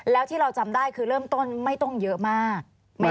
แล้วที่เราจำได้คือเริ่มต้นไม่ต้องเยอะมาก